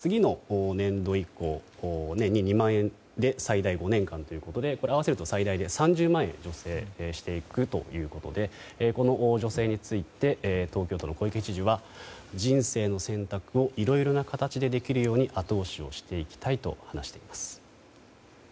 そうした中の東京都の女性ですけれども上限が２０万円で次の年度以降、年に２万円で最大５年間ということで合わせると最大で３０万円助成していくということでこの助成について東京都の小池知事は人生の選択をいろいろな形でできるように後押しをしていきたいと話しています。